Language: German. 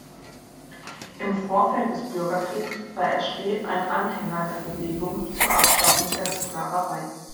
Im Vorfeld des Bürgerkrieges war Ashley ein Anhänger der Bewegung zur Abschaffung der Sklaverei.